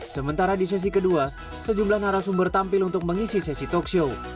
sementara di sesi kedua sejumlah narasumber tampil untuk mengisi sesi talk show